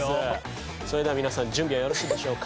それでは皆さん準備はよろしいでしょうか？